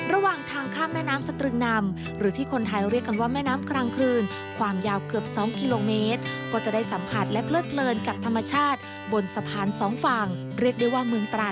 ระหว่างทางข้ามแม่น้ำสตรึงนำ